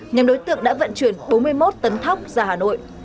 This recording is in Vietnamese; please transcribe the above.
nhóm đối tượng đã vận chuyển bốn mươi một tấn thóc ra hà nội